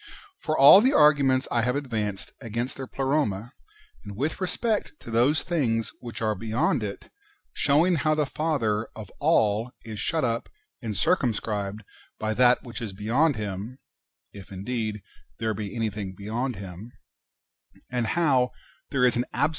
For all the arguments I have advanced against their Pleroma, and wdth respect to those things which are beyond it, showing how the. Father of all is shut up and cir cumscribed by that which is beyond Him (if, indeed, there be anything beyond Him), and how there is an absolute ^ That is, Barhelos: comp.